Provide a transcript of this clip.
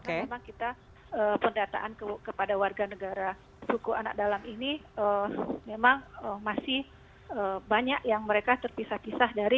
karena memang kita pendataan kepada warga negara suku anak dalam ini memang masih banyak yang mereka terpisah pisah dari